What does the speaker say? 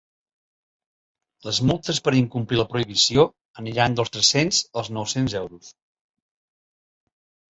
Les multes per incomplir la prohibició aniran dels tres-cents als nou-cents euros.